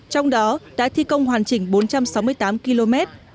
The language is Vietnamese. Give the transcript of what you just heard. trong đó đã thi công hoàn chỉnh bốn trăm sáu mươi tám km